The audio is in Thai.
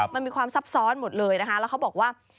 มันมีความซับซ้อนหมดเลยนะคะแล้วเขาบอกว่า